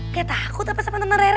gak takut apa sama temen rere